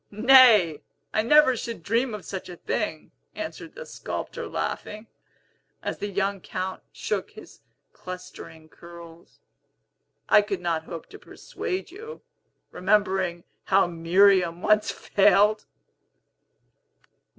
"Nay; I never should dream of such a thing," answered the sculptor, laughing, as the young Count shook his clustering curls. "I could not hope to persuade you, remembering how Miriam once failed!"